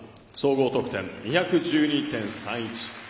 合計得点２１２．３１。